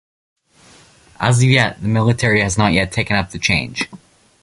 As of yet, the Military has not taken up the change.